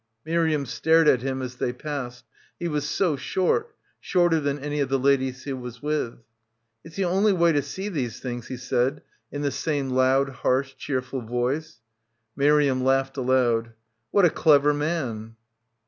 Miriam stared at him as they passed, he was so short, shorter than any of the ladies he was with. "It's the only way to see these things," he said in the same loud harsh cheerful voice. Miriam laughed aloud. What a clever man.